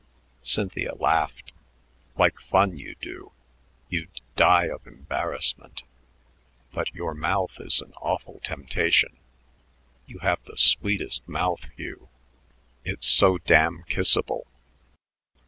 Cynthia laughed. "Like fun you do. You'd die of embarrassment. But your mouth is an awful temptation. You have the sweetest mouth, Hugh. It's so damn kissable."